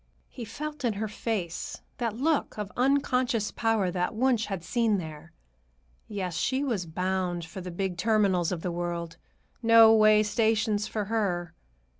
He felt in her face that look of unconscious power that Wunsch had seen there. Yes, she was bound for the big terminals of the world; no way stations for her.